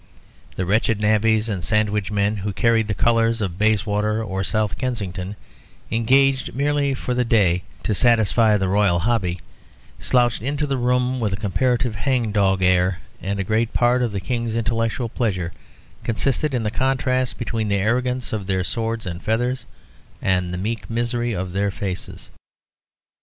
The wretched navvies and sandwich men who carried the colours of Bayswater or South Kensington, engaged merely for the day to satisfy the Royal hobby, slouched into the room with a comparatively hang dog air, and a great part of the King's intellectual pleasure consisted in the contrast between the arrogance of their swords and feathers and the meek misery of their faces.